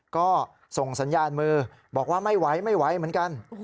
ก็ส่งสัญญาณมือบอกว่าไม่ไหวไม่ไหวเหมือนกัน